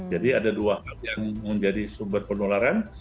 jadi ada dua hal yang menjadi sumber penularan